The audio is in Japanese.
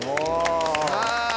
さあ。